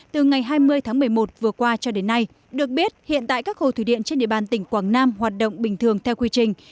từ ngày hai mươi tháng một mươi một vừa qua cho đến nay được biết hiện tại các hồ thủy điện trên địa bàn tỉnh quảng nam hoạt động bình thường theo quy trình